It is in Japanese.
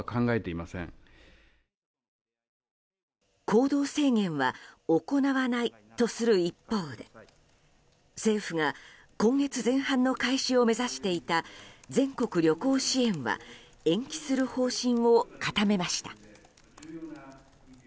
行動制限は行わないとする一方で政府が今月前半の開始を目指していた全国旅行支援は延期する方針を固めました。